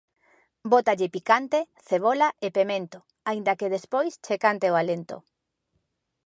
Bótalle picante, cebola e pemento, aínda que despois che cante o alento